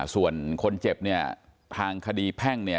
ส่วนคนเจ็บเนี่ยทางคดีแพ่งเนี่ย